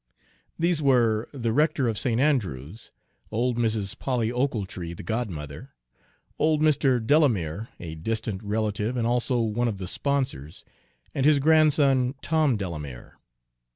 These were the rector of St. Andrew's; old Mrs. Polly Ochiltree, the godmother; old Mr. Delamere, a distant relative and also one of the sponsors; and his grandson, Tom Delamere.